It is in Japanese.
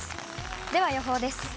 では予報です。